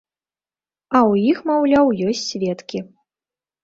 А ў іх, маўляў, ёсць сведкі.